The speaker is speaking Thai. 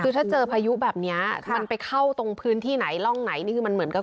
คือถ้าเจอพายุแบบนี้มันไปเข้าตรงพื้นที่ไหนร่องไหนนี่คือมันเหมือนกับ